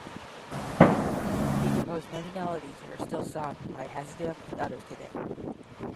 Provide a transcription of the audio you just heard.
He composed many melodies that are still sung by hasidim and others today.